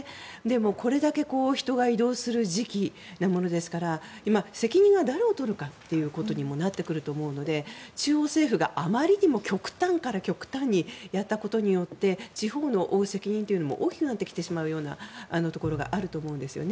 これだけ人が移動する時期なものですから今、責任を誰が取るかということにもなってくると思うので中央政府があまりにも極端から極端にやったことによって地方の負う責任というのも大きくなってしまうところがあると思うんですね。